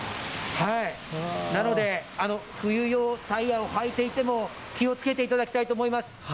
冬用タイヤを履いていても、気をつけていただきたいと思います。